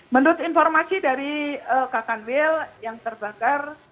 menurut informasi dari kak kanwil yang terbakar